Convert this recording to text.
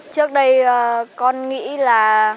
trước đây con nghĩ là trẻ con thường hay bị người lớn kiểu và bắt cắt